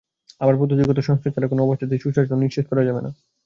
আবার পদ্ধতিগত সংস্কার ছাড়া কোনো অবস্থাতেই সুশাসন নিশ্চিত করা যাবে না।